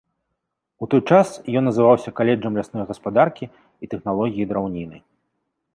У той час ён называўся каледжам лясной гаспадаркі і тэхналогіі драўніны.